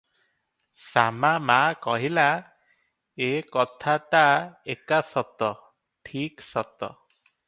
ଶାମା ମାଆ କହିଲା, "ଏକଥାଟାଏକା ସତ, ଠିକ୍ ସତ ।